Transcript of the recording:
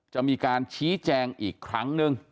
จะมีการชี้แจงอีกครั้งนึง